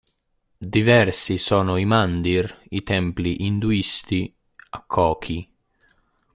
Diversi sono i Mandir, i templi induisti, a Kochi.